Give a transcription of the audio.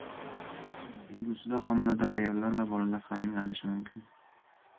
Kelgusida homilador ayollar va bolalar ham emlanishi mumkin